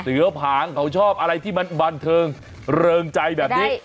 ผางเขาชอบอะไรที่มันบันเทิงเริงใจแบบนี้